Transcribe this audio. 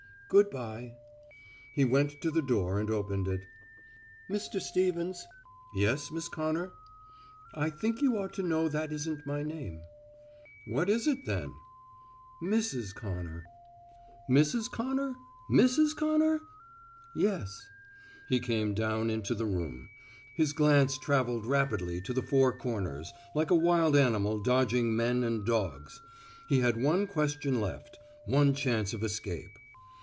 "Good bye." He went to the door and opened it. "Mr. Stevens." "Yes, Miss Connor." "I think you ought to know that isn't my name." "What is it, then?" "Mrs. Connor." "Mrs. Connor? Missis Connor?" "Yes." He came down into the room. His glance traveled rapidly to the four corners, like a wild animal dodging men and dogs. He had one question left, one chance of escape.